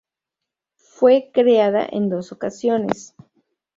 Fue creado en dos ocasiones.